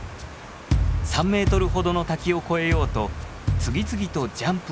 ３メートルほどの滝を越えようと次々とジャンプを繰り返します。